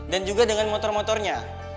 dan juga dengan motor motornya